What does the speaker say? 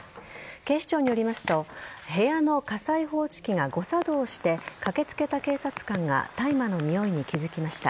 警視庁によりますと部屋の火災報知器が誤作動して駆けつけた警察官が大麻のにおいに気付きました。